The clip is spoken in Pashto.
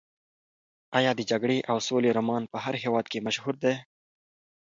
ایا د جګړې او سولې رومان په هر هېواد کې مشهور دی؟